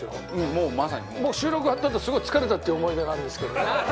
もう、収録終わったあとすごい疲れたっていう思い出があるんですけど。